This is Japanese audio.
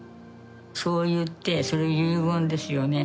そう言ってそれ遺言ですよね